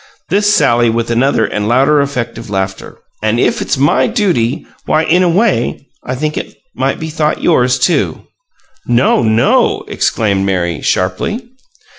(This sally with another and louder effect of laughter). "And if it's MY duty, why, in a way, I think it might be thought yours, too." "No, no!" exclaimed Mary, sharply.